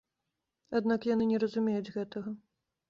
Аднак яны не разумеюць гэтага.